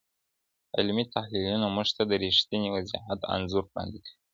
علمي تحليلونه موږ ته د ريښتيني وضعيت انځور وړاندې کوي.